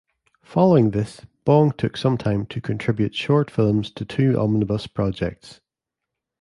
Following this, Bong took some time to contribute short films to two omnibus projects.